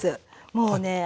もうね